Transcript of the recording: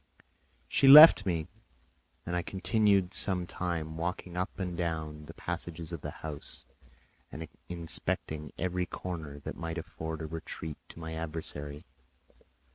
She left me, and I continued some time walking up and down the passages of the house and inspecting every corner that might afford a retreat to my adversary.